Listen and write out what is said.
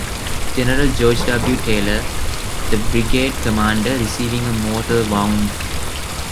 General George W. Taylor, the brigade commander, receiving a mortal wound.